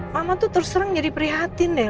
mama tuh terserang jadi prihatin deh